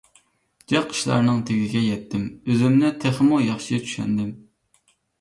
جىق ئىشلارنىڭ تېگىگە يەتتىم، ئۆزۈمنى تېخىمۇ ياخشى چۈشەندىم.